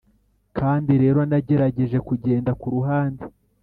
kandi rero nagerageje kugenda kuruhande,